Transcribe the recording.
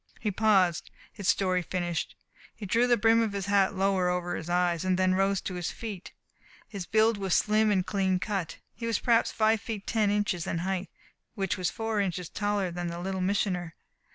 He paused, his story finished. He drew the brim of his hat lower over his eyes, and then he rose to his feet. His build was slim and clean cut. He was perhaps five feet ten inches in height, which was four inches taller than the Little Missioner.